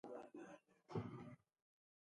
د الوتکې له کېناستو وروسته انتظار شوم.